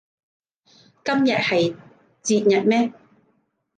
今日係節日咩